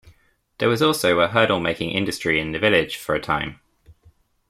There was also a hurdle-making industry in the village for a time.